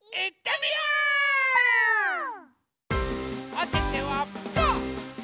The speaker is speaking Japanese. おててはパー！